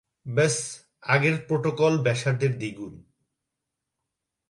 ব্যাস আগের প্রোটোকল ব্যাসার্ধের দ্বিগুণ।